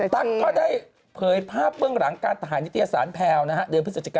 ตั๊กก็ได้เผยภาพเบื้องหลังการถ่ายนิทยาสารแพลล์